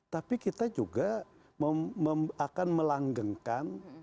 tapi kita juga akan melanggengkan